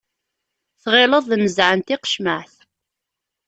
Tɣileḍ d nnzeɛ n tiqecmaɛt.